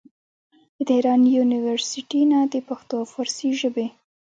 د تهران يونيورسټۍ نه د پښتو او فارسي ژبې